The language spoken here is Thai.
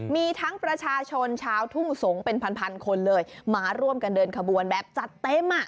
มีทั้งประชาชนชาวทุ่งสงศเป็นพันคนเลยมาร่วมกันเดินขบวนแบบจัดเต็มอ่ะ